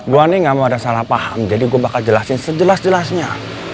gua nih ga mau ada salah paham jadi gua bakal jelasin sejelas jelasnya